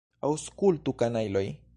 Aŭskultu, kanajloj!